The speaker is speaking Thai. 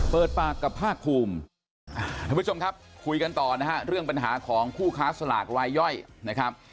เปิดปากกับภาคภูมิท่านผู้ชมครับคุยกันต่อนะฮะเรื่องปัญหาของผู้ค้าสลากรายย่อยนะครับ